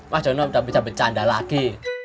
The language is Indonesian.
mas jono sudah bisa bercanda lagi